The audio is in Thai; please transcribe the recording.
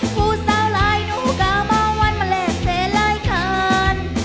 ผู้สาวหลายหนูก็มองว่ามันแหล่งเศร้ายคัน